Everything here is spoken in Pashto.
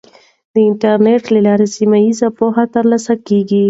د انټرنیټ له لارې سیمه ییزه پوهه ترلاسه کیږي.